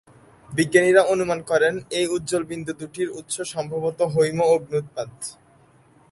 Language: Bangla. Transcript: বিজ্ঞানীরা অনুমান করেন, এই উজ্জ্বল বিন্দু দু’টির উৎস সম্ভবত হৈম-অগ্ন্যুৎপাত।